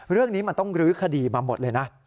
เรื่องนี้มันต้องลื้อคดีมาหมดเลยนะ